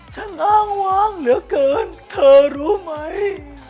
อ้างวางเหลือเกินเธอรู้ไหม